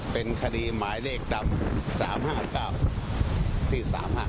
เป็นคดีหมายเลขต่ำ๓๕๙ที่๓๕